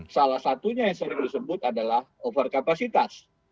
salah satunya yang sering disebut adalah overcapacity